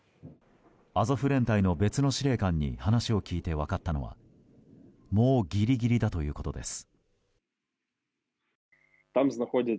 アゾフ連隊の別の司令官に話を聞いて分かったのはもうギリギリだということです。